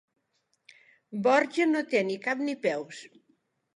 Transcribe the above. Borja no té ni cap ni peus.